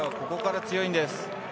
カナダはここから強いんです。